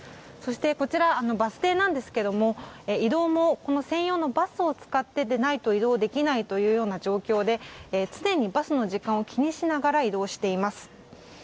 そしてこちら、バス停なんですが移動もこの専用のバスを使ってでないと移動できないという状況で常にバスの時間を気にしながら移動しています。